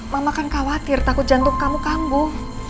mama kan khawatir takut jantung kamu kambuh